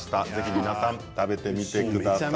皆さん食べてみてください。